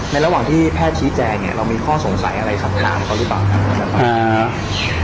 ระหว่างที่แพทย์ชี้แจงเนี่ยเรามีข้อสงสัยอะไรสักถามเขาหรือเปล่าครับ